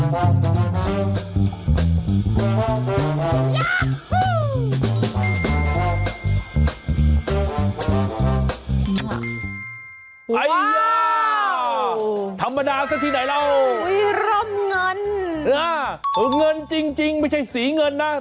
ว้าวธรรมดาซะทีไหนแล้วอุ้ยร่ำเงินอ่าเหรอเงินจริงจริงไม่ใช่สีเงินน่ะ